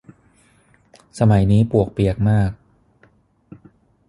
สมัยนี้ปวกเปียกมาก